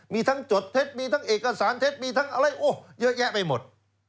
มีทั้งจดเท็จมีทั้งเอกสารเท็จมีทั้งอะไรเยอะแยะไปหมด